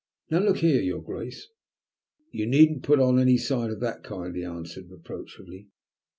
Now look here, your Grace " "You needn't put on any side of that kind," he answered reproachfully.